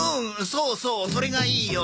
そうそうそれがいいよ。